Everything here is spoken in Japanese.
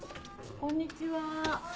こんにちは。